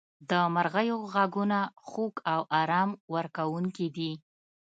• د مرغیو ږغونه خوږ او آرام ورکوونکي دي.